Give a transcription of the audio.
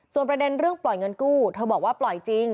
ประเด็นเรื่องปล่อยเงินกู้เธอบอกว่าปล่อยจริง